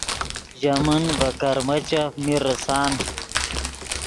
ژے من ڤے کرمیچف میر ریسان